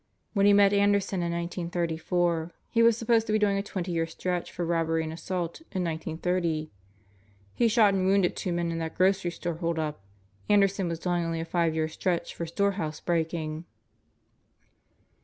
When he met Ander son in 1934, he was supposed to be doing a twenty year stretch for robbery and assault in 1930. He shot and wounded two men in that grocery store holdup. Anderson was doing only a five year stretch for storehouse breaking."